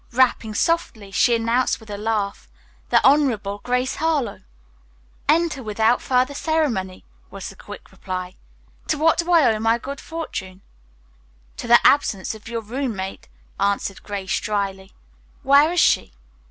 Rapping softly, she announced with a laugh, "The Honorable Grace Harlowe." "Enter without further ceremony," was the quick reply. "To what do I owe my good fortune?" "To the absence of your roommate," answered Grace dryly. "Where is she?"